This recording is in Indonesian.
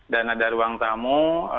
dan ada ruang tamu